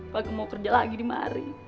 pake mau kerja lagi nih mari